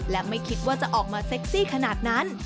และไม่คิดว่าจะออกมาเซ็กซี่ขนาดนั้น